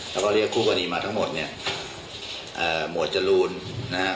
แล้วก็เรียกคู่กรณีมาทั้งหมดเนี่ยเอ่อหมวดจรูนนะฮะ